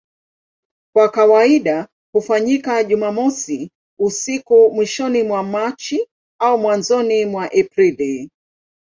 Kwa kawaida hufanyika Jumamosi usiku mwishoni mwa Machi au mwanzoni mwa Aprili.